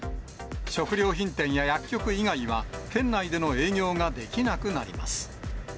食料品店や薬局以外は、店内での営業ができなくなります。